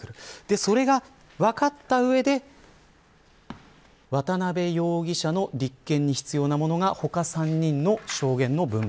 それが分かった上で渡辺容疑者の立件に必要なものが他３人の証言の文面。